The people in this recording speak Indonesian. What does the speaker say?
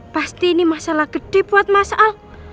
pasti ini masalah gede buat mas al